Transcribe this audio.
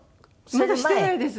まだしてないです